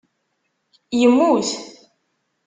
Yemmut